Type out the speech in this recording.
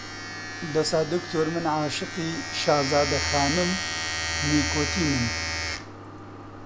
دەسا دکتۆر من عاشقی شازادە خانم نیکۆتینم